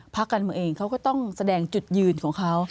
พักการเมืองเองเขาก็ต้องแสดงจุดยืนของเขา